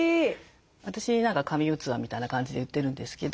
私何か「神器」みたいな感じで言ってるんですけど。